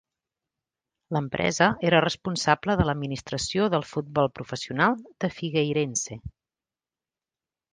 L'empresa era responsable de l'administració del futbol professional de Figueirense.